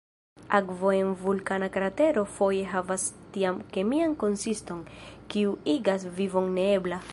Akvo en vulkana kratero foje havas tian kemian konsiston, kiu igas vivon neebla.